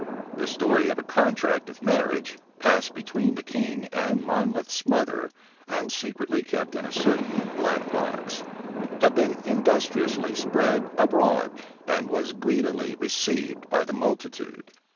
The story of a contract of marriage, passed between the king and Monmouth's mother, and secretly kept in a certain black box, had been industriously spread abroad, and was greedily received by the multitude.